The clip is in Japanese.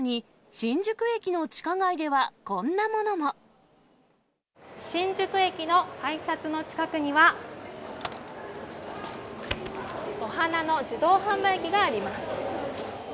新宿駅の改札の近くには、お花の自動販売機があります。